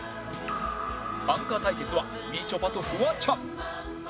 アンカー対決はみちょぱとフワちゃん